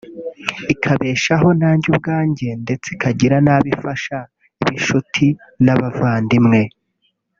ikabeshaho nanjye ubwanjye ndetse ikagira n'abo ifasha b'inshuti n'abavandimwe